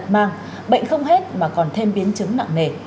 mang bệnh không hết mà còn thêm biến chứng nặng nề